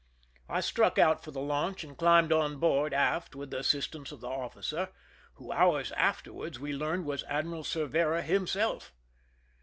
I struck out for the launch and climbed on board aft with the assistance of the officer, who, hours after ward, w(3 learned was Admiral Cervera himself.